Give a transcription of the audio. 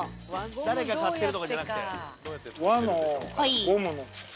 誰が買ってるとかじゃなくて。